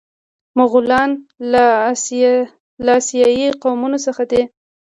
مغولان له اسیایي قومونو څخه دي.